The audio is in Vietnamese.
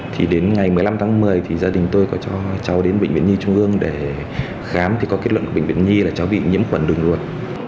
thì đến ngày một mươi năm tháng một mươi thì gia đình tôi có cho cháu đến bệnh viện nhi trung ương để khám thì có kết luận của bệnh viện nhi là cháu bị nhiễm khuẩn đường ruột